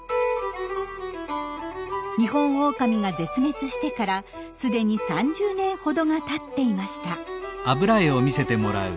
ニホンオオカミが絶滅してからすでに３０年ほどがたっていました。